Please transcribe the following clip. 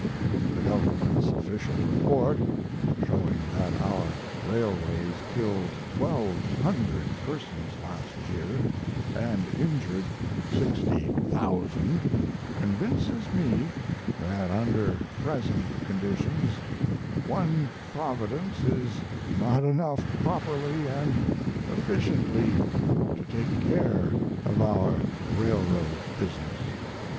The government's official report, showing that our railways killed twelve hundred persons last year & injured sixty thousand, convinces me that under present conditions one Providence is not enough properly & efficiently to take care of our railroad business.